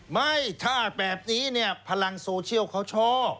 ไม่ถ้าแบบนี้เนี่ยพลังโซเชียลเขาชอบ